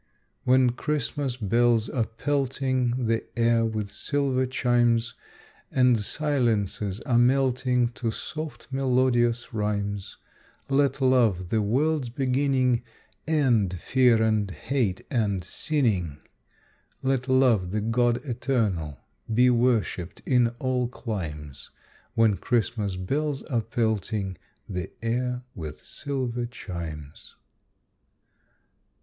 When Christmas bells are pelting the air with silver chimes, And silences are melting to soft, melodious rhymes, Let Love, the world's beginning, End fear and hate and sinning; Let Love, the God Eternal, be worshipped in all climes When Christmas bells are pelting the air with silver chimes.